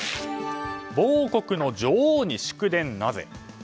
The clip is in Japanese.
某国の女王に祝電、なぜ？